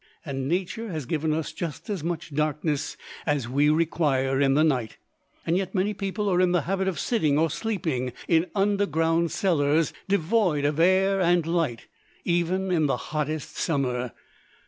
And Nature has given us just as much darkness as we require in the night. Yet, many people are in the habit of sitting or sleeping in underground cellars, devoid of air and light, even in the hottest summer!